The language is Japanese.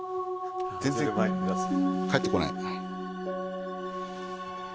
全然返ってこない。